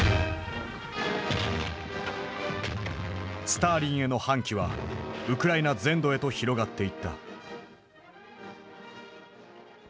スターリンへの反旗はウクライナ全土へと広がっていった。